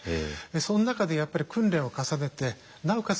その中でやっぱり訓練を重ねてなおかつ